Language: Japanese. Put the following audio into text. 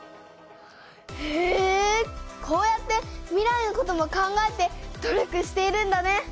へえこうやって未来のことも考えて努力しているんだね。